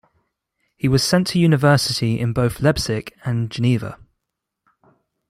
He was sent to university in both Leipzig and Geneva.